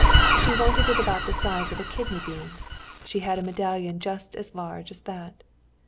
She wanted it about the size of a kidney bean; she had a medallion just as large as that.